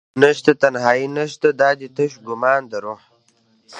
نشته تنهایې نشته دادي تش ګمان دروح